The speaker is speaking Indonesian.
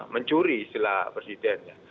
mencuri sila presidennya